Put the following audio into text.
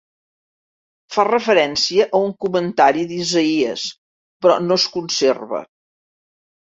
Fa referència a un comentari d'Isaïes, però no es conserva.